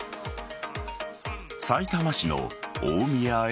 さいたま市の大宮駅